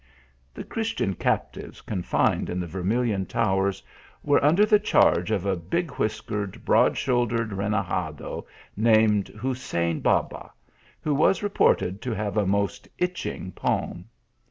The Christian captives confined in the Vermilion towers, were under the charge of a big whiskered, broad shouldered renegado, called Hussein Eaba, who was reported to have a most itching palm.